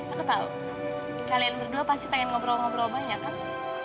aku tahu kalian berdua pasti pengen ngobrol ngobrol banyak kan